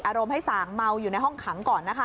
อารมณ์ให้สางเมาอยู่ในห้องขังก่อนนะคะ